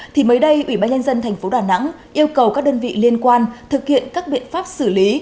thì mới đây ủy ban nhân dân tp đà nẵng yêu cầu các đơn vị liên quan thực hiện các biện pháp xử lý